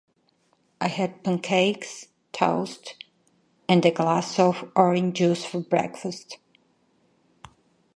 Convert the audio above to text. I had pancakes, toast, and a glass of orange juice for breakfast.